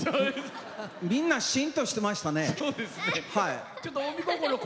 みんなシーンとしていましたね。